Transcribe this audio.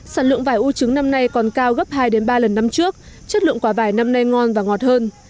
sản lượng vải u trứng năm nay còn cao gấp hai ba lần năm trước chất lượng quả vải năm nay ngon và ngọt hơn